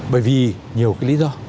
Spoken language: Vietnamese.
bởi vì nhiều cái lý do